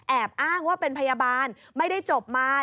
อ้างว่าเป็นพยาบาลไม่ได้จบมา